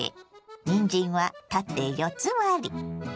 にんじんは縦四つ割り。